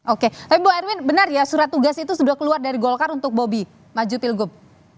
oke tapi bu erwin benar ya surat tugas itu sudah keluar dari golkar untuk bobi maju pilgub